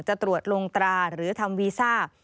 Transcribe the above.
จะตรวจลงตราหรือทำวีซ่า